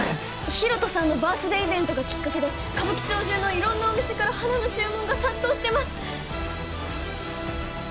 ヒロトさんのバースデーイベントがきっかけで歌舞伎町じゅうの色んなお店から花の注文が殺到してます！